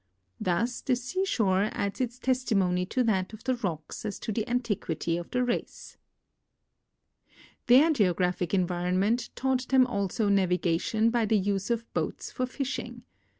Thus the seashore adds its tes timony to that of the rocks as to the antiquity of the race. Their geographic environment taught them also navigation by the use of boats for fishing.